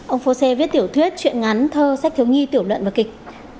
ông fose viết tiểu thuyết chuyện ngắn thơ sách thiếu nhi tiểu luận và kịch